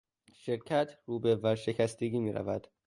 شرکت رو به ورشکستگی میرود.